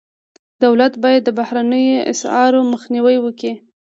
دولت باید د بهرنیو اسعارو مخنیوی وکړي.